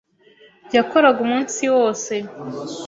Yakoraga umunsi wose.